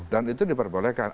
dan itu diperbolehkan